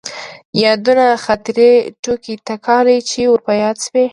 يادونه ،خاطرې، ټوکې تکالې چې ور په ياد شوي.